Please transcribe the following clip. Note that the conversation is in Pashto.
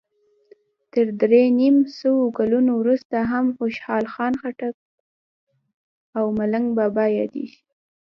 تر درې نیم سوو کلونو وروسته هم خوشال خټک او ملنګ بابا یادیږي.